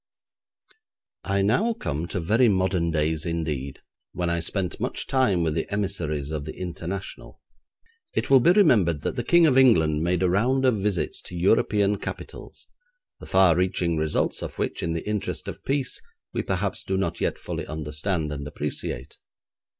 I now come to very modern days indeed, when I spent much time with the emissaries of the International. It will be remembered that the King of England made a round of visits to European capitals, the far reaching results of which in the interest of peace we perhaps do not yet fully understand and appreciate.